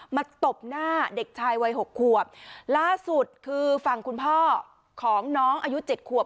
ตบหน้าเด็กชายวัยหกขวบล่าสุดคือฝั่งคุณพ่อของน้องอายุเจ็ดขวบ